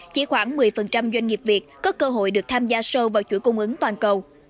chỉ khoảng một mươi doanh nghiệp việt có cơ hội được tham gia sâu vào chuỗi cung ứng toàn cầu